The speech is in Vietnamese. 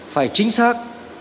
phải chính xác